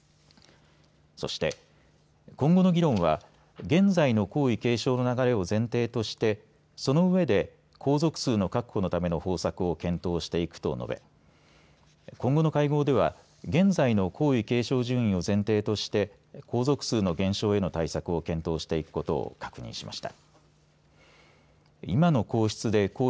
そして今後の議論は現在の皇位継承の流れを前提としてその上で皇族数の確保のための方策を検討していくと述べ今後の会合では現在の皇位継承順位を前提として皇族数の減少への対策を検討していくことを確認しました。